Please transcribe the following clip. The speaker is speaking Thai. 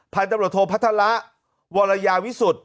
พันธุ์ตำรวจโทพัฒระวรยาวิสุทธิ์